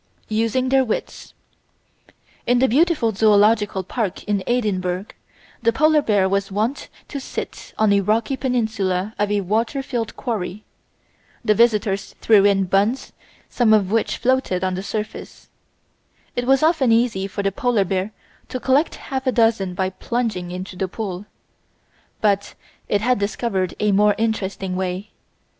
Using their Wits In the beautiful Zoological Park in Edinburgh the Polar Bear was wont to sit on a rocky peninsula of a water filled quarry. The visitors threw in buns, some of which floated on the surface. It was often easy for the Polar Bear to collect half a dozen by plunging into the pool. But it had discovered a more interesting way.